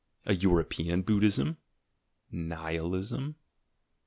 — a European Buddhism?— Nihilism?